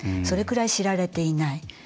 それくらい知られていない。